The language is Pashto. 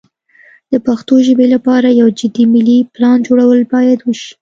د پښتو ژبې لپاره یو جدي ملي پلان جوړول باید وشي.